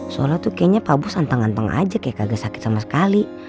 soalnya tuh kayaknya papa bus antang antang aja kayak gak sakit sama sekali